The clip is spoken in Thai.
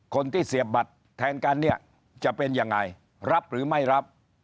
เสียบบัตรแทนกันเนี่ยจะเป็นยังไงรับหรือไม่รับ